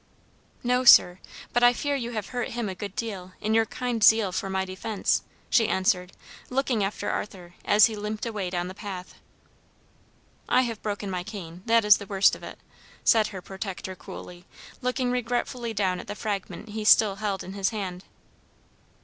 "No, sir, but I fear you have hurt him a good deal, in your kind zeal for my defence," she answered, looking after Arthur, as he limped away down the path. "I have broken my cane, that is the worst of it," said her protector coolly, looking regretfully down at the fragment he still held in his hand.